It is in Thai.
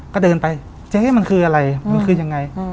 ก็เดินไปเจ๊มันคืออะไรมันคือยังไง